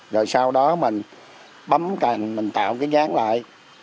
rồi sau đó mình bấm cành mình tạo cái dáng lại